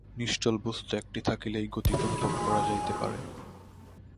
নিশ্চল বস্তু একটি থাকিলেই গতিকে অনুভব করা যাইতে পারে।